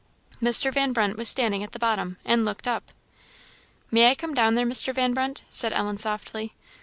Mr. Van Brunt was standing at the bottom, and looked up. "May I come down there, Mr. Van Brunt?" said Ellen, softly.